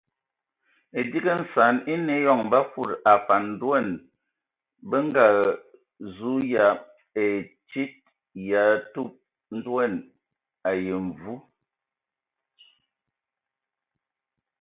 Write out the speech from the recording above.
Edigi nsan enə eyɔŋ ba fudi afan ndoan bə nga zu yab e tsid ya tub ndoan ai mvu.